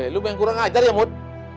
lu yang kurang ajar ya mut